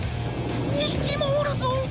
２ひきもおるぞ！